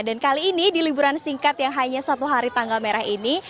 dan kali ini di liburan singkat yang hanya satu hari tanggal merah ini